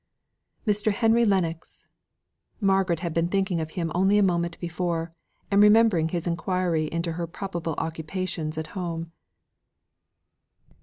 "Mr. Henry Lennox." Margaret had been thinking of him only a moment before, and remembering his inquiry into her probable occupations at home.